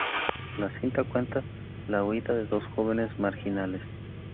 La cinta cuenta la huida de dos jóvenes marginales.